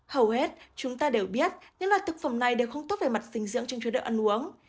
hầu hết chúng ta đều biết những loại thực phẩm này đều không tốt về mặt dinh dưỡng trong chế độ ăn uống